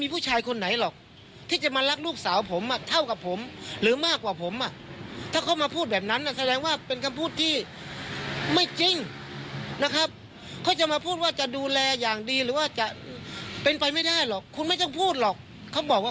พ่อหักอองค์เนคเขารู้ว่าเขาบ้า